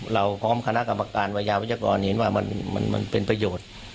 เราพร้อมคณะกรรมการวัยยาวัชกรเห็นว่ามันเป็นประโยชน์